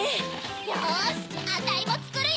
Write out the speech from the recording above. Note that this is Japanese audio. よしあたいもつくるよ！